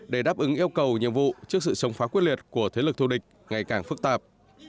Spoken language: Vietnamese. để đáp ứng yêu cầu nhiệm vụ trước sự chống phá quyết liệt của thế lực thù địch ngày càng phức tạp